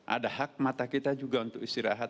ada hak mata kita juga untuk istirahat